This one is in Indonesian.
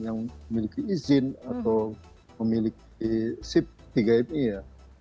yang memiliki izin atau memiliki sip tiga mi ya